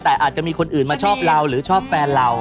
แต่อาจจะมีคนอื่นมาชอบเราหรือชอบแฟนเรา